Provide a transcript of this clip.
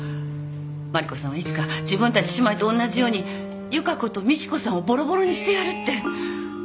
麻里子さんはいつか自分たち姉妹とおんなじように由加子と美知子さんをぼろぼろにしてやるって。